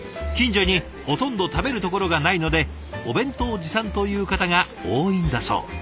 近所にほとんど食べるところがないのでお弁当持参という方が多いんだそう。